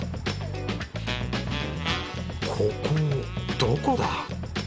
ここどこだ？